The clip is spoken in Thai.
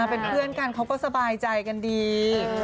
เป็นเพื่อนกันเขาก็สบายใจกันดี